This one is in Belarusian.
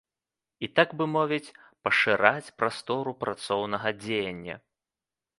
І, так бы мовіць, пашыраць прастору працоўнага дзеяння.